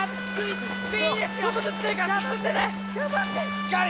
しっかり！